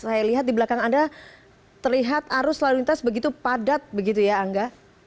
saya lihat di belakang anda terlihat arus lalu lintas begitu padat begitu ya angga